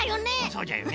そうじゃよね。